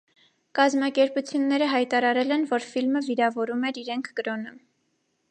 Կազմակերպությունները հայտարարել են, որ ֆիլմը վիրավորում էր իրենք կրոնը։